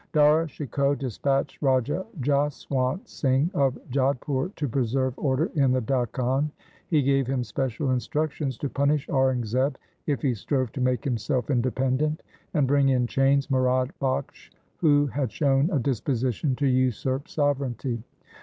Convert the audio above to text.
Dara Shikoh dispatched Raja Jaswant Singh of Jodhpur to preserve order in the Dakhan. He gave him special instructions to punish Aurangzeb if he strove to make himself independent, and bring in chains Murad Bakhsh who had shown a disposi tion to usurp sovereignty.